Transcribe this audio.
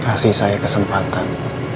kasih saya kesempatan